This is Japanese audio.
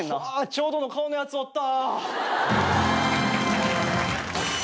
ちょうどの顔のやつおった。